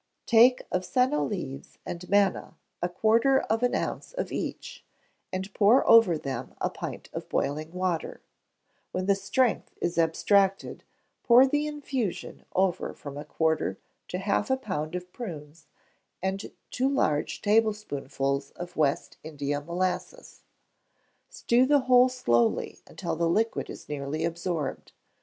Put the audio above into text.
Take of senna leaves and manna a quarter of an ounce of each, and pour over them a pint of boiling water; when the strength is abstracted, pour the infusion over from a quarter to half a pound of prunes and two large tablespoonfuls of West India molasses. Stew the whole slowly until the liquid is nearly absorbed.